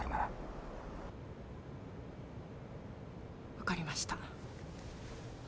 分かりました。